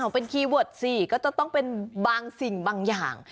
เป็นคีย์เวิร์ดสิก็จะต้องเป็นบางสิ่งบางอย่าง